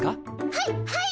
はいはい！